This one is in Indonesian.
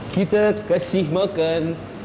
kita ke sif makan